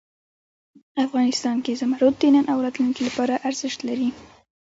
افغانستان کې زمرد د نن او راتلونکي لپاره ارزښت لري.